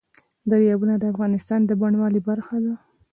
دریابونه د افغانستان د بڼوالۍ برخه ده.